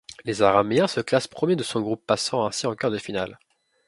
Les Araméens se classe premier de son groupe passant ainsi en quart de finale.